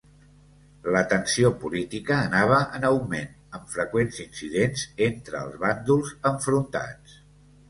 La tensió política anava en augment amb freqüents incidents entre els bàndols enfrontats.